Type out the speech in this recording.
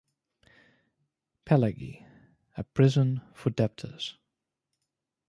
Pelagie, a prison for debtors.